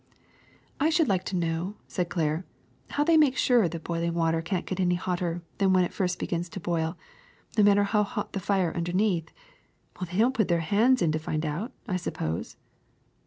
^^I should like to know," said Claire, ^^how they make sure that boiling water cannot get any hotter than when it first begins to boil, no matter how hot the fire underneath. They don't put their hands in to find out, I suppose."